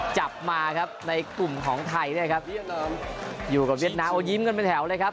จับมาในกลุ่มของไทยนะครับอยู่กับเวียดน้ายิ้มกันไปแถวเลยครับ